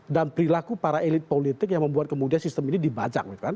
dan perilaku para elit politik yang membuat kemudian sistem ini dibajak